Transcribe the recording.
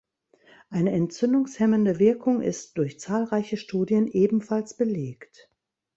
Eine entzündungshemmende Wirkung ist durch zahlreiche Studien ebenfalls belegt.